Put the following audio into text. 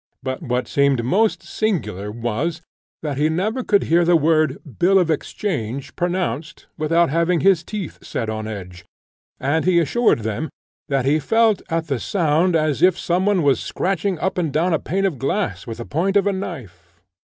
But what seemed most singular was, that he never could hear the word "bill of exchange" pronounced without having his teeth set on edge, and he assured them that he felt at the sound as if some one was scratching up and down a pane of glass with the point of a knife.